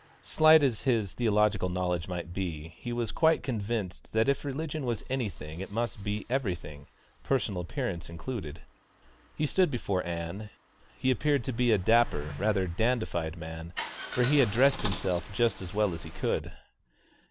Slight as his theological knowledge might be, he was quite convinced that if religion was anything it must be everything, personal appearance included. As he stood before Ann, he appeared to be a dapper, rather dandified man, for he had dressed himself just as well as he could.